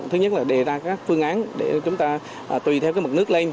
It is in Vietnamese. thứ nhất là đề ra các phương án để chúng ta tùy theo mực nước lên